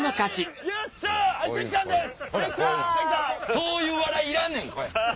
そういう笑いいらんねん！